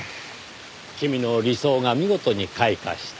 君の理想が見事に開花した。